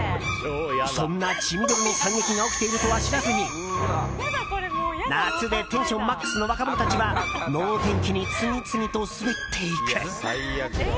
そんな血みどろの惨劇が起きているとは知らずに夏でテンションマックスの若者たちは能天気に次々と滑っていく。